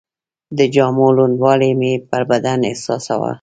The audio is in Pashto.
د جامو لوندوالی مې پر بدن احساساوه.